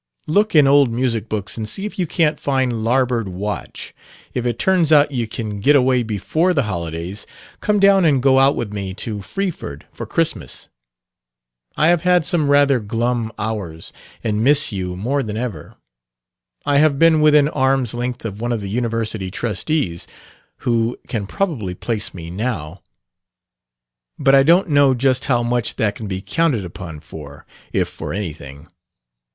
Look in old music books and see if you can't find 'Larboard Watch.' If it turns out you can get away before the holidays, come down and go out with me to Freeford for Christmas. I have had some rather glum hours and miss you more than ever. I have been within arm's length of one of the University trustees (who can probably place me now!) but I don't know just how much that can be counted upon for, if for anything.